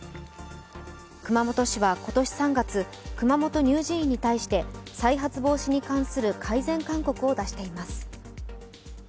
熊本市は今年３月、熊本乳児院に対して再発防止に関する改善勧告を出しています。